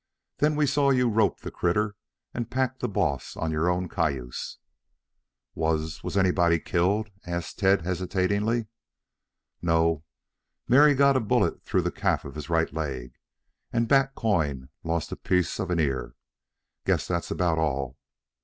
Then we saw you rope the critter and pack the boss on your own cayuse." "Was was anybody killed?" asked Tad hesitatingly. "No. Mary got a bullet through the calf of his right leg, and Bat Coyne lost a piece of an ear. Guess that's about all."